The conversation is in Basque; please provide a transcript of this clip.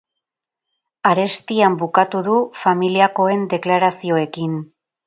Arestian bukatu du familiakoen deklarazioekin.